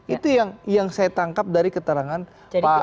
itu yang saya tangkap dari keterangan pak